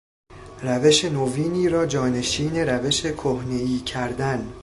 روش نوینی را جانشین روش کهنهای کردن